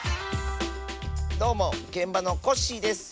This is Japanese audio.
どうもげんばのコッシーです。